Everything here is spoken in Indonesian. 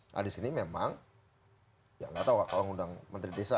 nah di sini memang ya tidak tahu kak kalau mengundang menteri desa